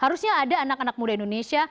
harusnya ada anak anak muda indonesia